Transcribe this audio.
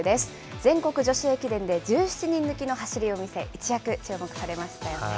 全国女子駅伝で、１７人抜きの走りを見せ、一躍注目されましたよね。